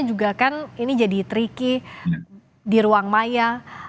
juga kan ini jadi tricky di ruang maya